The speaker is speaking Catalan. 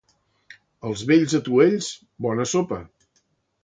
Als vells atuells, bona sopa.